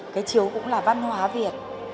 cái chiếu cũng là văn hóa việt